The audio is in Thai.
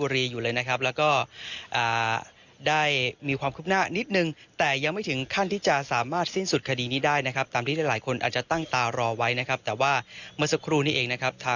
รายงานสดเข้ามาจากในพื้นที่ค่ะ